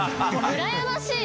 うらやましい。